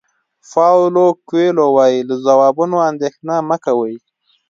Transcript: پاویلو کویلو وایي له ځوابونو اندېښنه مه کوئ.